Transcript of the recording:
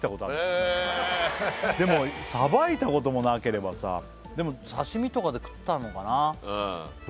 でもさばいたこともなければさでも刺身とかで食ったのかな